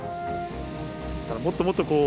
もっともっと、こう、